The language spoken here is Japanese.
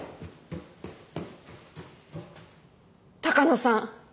鷹野さん